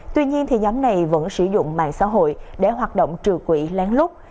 tuy nhiên nhóm này vẫn sử dụng mạng xã hội để hoạt động trừ quỷ lén lút